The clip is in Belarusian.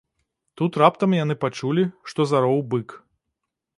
Тут раптам яны пачулі, што зароў бык.